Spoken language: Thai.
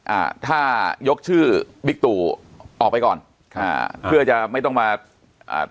อ่าถ้ายกชื่อบิ๊กตู่ออกไปก่อนค่ะเพื่อจะไม่ต้องมาอ่า